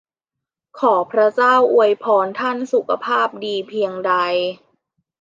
ขอพระเจ้าอวยพรท่านสุขภาพดีเพียงใด!